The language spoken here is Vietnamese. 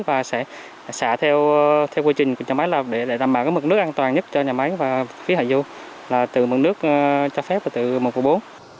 và sẽ xã theo quy trình của nhà máy để đảm bảo mực nước an toàn nhất cho nhà máy và phía hạ du là từ mực nước cho phép và từ mực quốc bố